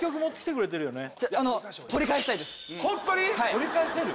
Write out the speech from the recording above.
取り返せる？